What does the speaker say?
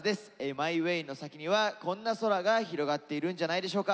「ＭＹＷＡＹ」の先にはこんな空が広がっているんじゃないでしょうか。